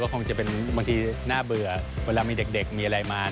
คงจะเป็นบางทีน่าเบื่อเวลามีเด็กมีอะไรมา